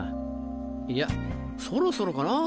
いやそろそろかな？